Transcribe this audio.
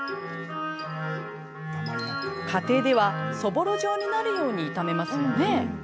家庭ではそぼろ状になるように炒めますよね。